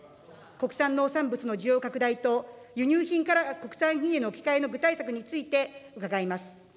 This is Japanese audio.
国産農産物の需要拡大と、輸入品から国産品への置き換えの具体策について伺います。